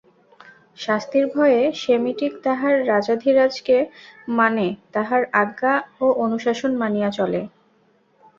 শাস্তির ভয়ে সেমিটিক তাহার রাজাধিরাজকে মানে, তাঁহার আজ্ঞা ও অনুশাসন মানিয়া চলে।